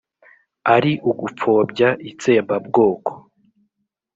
ari ugupfobya itsembabwoko?